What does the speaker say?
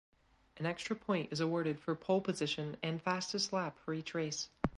An extra point is awarded for pole position and fastest lap for each race.